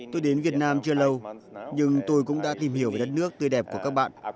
tôi đến việt nam chưa lâu nhưng tôi cũng đã tìm hiểu đất nước tươi đẹp của các bạn